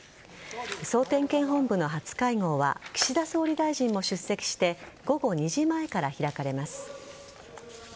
総点検本部の初会合は岸田総理大臣も出席して午後２時前から開かれます。